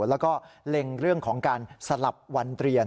แล้วก็เล็งเรื่องของการสลับวันเรียน